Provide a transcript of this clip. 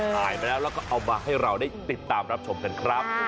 ถ่ายไปแล้วแล้วก็เอามาให้เราได้ติดตามรับชมกันครับ